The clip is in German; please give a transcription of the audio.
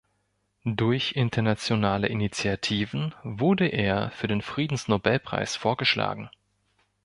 Durch internationale Initiativen wurde er für den Friedensnobelpreis vorgeschlagen.